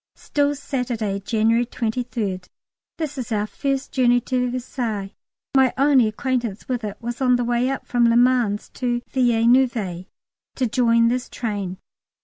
Still Saturday, January 23rd. This is our first journey to Versailles. My only acquaintance with it was on the way up from Le Mans to Villeneuve to join this train.